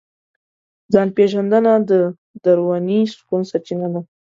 ځان پېژندنه د دروني سکون سرچینه ده.